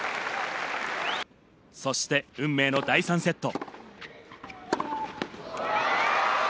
そして運命の第３セット。